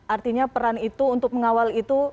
artinya peran itu untuk mengawal itu